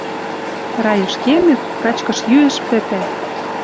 Райыш кемӹк, качкыш-йӱӹш пӹтӓ